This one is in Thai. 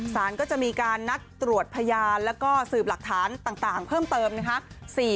สารก็จะมีการนัดตรวจพยานแล้วก็สืบหลักฐานต่างเพิ่มเติมนะคะ